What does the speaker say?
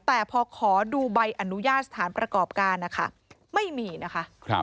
แต่พอขอดูใบอนุญาตสถานประกอบการนะคะไม่มีนะคะ